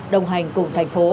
đồng hành cùng thành phố